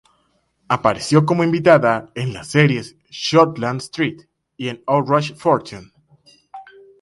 Apareció como invitada en las series "Shortland Street" y en Outrageous Fortune.